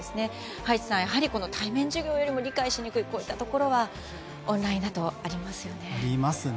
葉一さん、対面授業よりも理解しにくいというこういったところはオンラインだとありますよね。